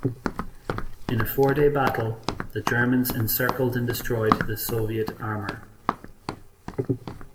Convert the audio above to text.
In a four-day battle, the Germans encircled and destroyed the Soviet armor.